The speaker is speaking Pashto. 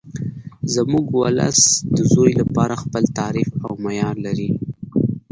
زموږ ولس د زوی لپاره خپل تعریف او معیار لري